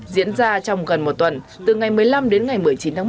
diễn ra trong gần một tuần từ ngày một mươi năm đến ngày một mươi chín tháng một